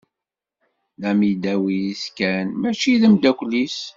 D amidaw-is kan, mačči d amdakel-is.